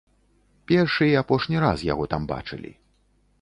Першы і апошні раз яго там бачылі.